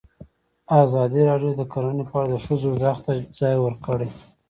ازادي راډیو د کرهنه په اړه د ښځو غږ ته ځای ورکړی.